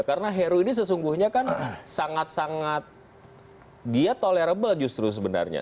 karena heru ini sesungguhnya kan sangat sangat dia tolerable justru sebenarnya